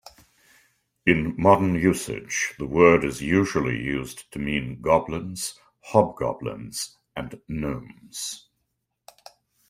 In modern usage, the word is usually used to mean goblins, hobgoblins and gnomes.